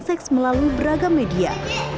seks melalui beragam media